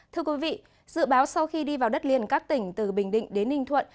thưa quý vị dự báo sau khi đi vào đất liền các tỉnh từ bình định đến ninh thuận